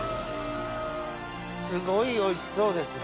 すごいおいしそうですね。